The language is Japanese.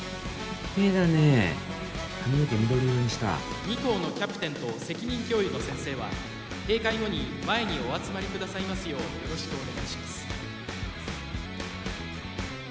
きれいだね髪の毛緑色にした２校のキャプテンと責任教諭の先生は閉会後に前にお集まりくださいますようよろしくお願いします